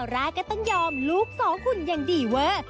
ร่าก็ต้องยอมลูกสองหุ่นอย่างดีเวอร์